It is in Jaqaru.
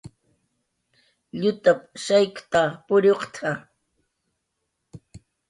"Llutap"" shaykta puriwq""t""a "